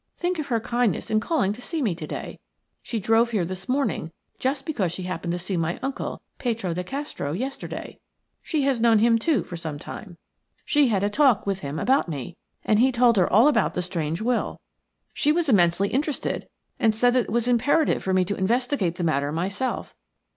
"Think of her kindness in calling to see me to day. She drove here this morning just because she happened to see my uncle, Petro de Castro, yesterday. She has known him, too, for some time. She had a talk with him about me, and he told her all about the strange will. She was immensely interested, and said that it was imperative for me to investigate the matter myself.